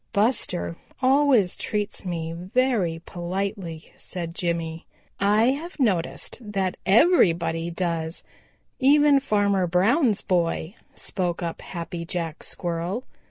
"Buster always treats me very politely," said Jimmy. "I have noticed that everybody does, even Farmer Brown's boy," spoke up Happy Jack Squirrel.